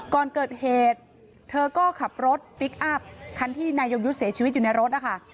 ก่อนเกิดเหตุเธอก็ขับรถพลิกอัพคันที่นายยงยุทธ์เสียชีวิตอยู่ในรถนะคะ